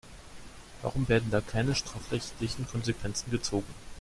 Warum werden da keine strafrechtlichen Konsequenzen gezogen?